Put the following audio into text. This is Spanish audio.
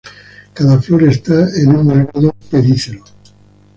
Cada flor está en un delgado pedicelo.